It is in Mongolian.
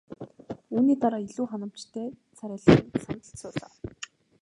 Үүний дараа илүү ханамжтай царайлан сандалд суулаа.